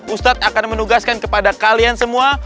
ustadz akan menugaskan kepada kalian semua